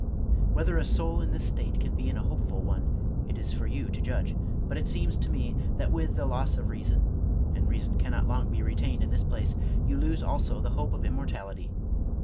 Whether a soul in this state can be in a hopeful one, it is for you to judge ; but it seems to me, that with the loss of reason (and reason cannot long be retained in this place) you lose also the hope of im mortality.